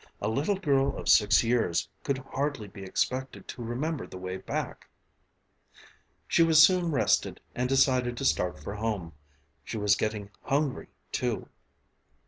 A little girl of six years could hardly be expected to remember the way back. She was soon rested and decided to start for home. She was getting hungry, too.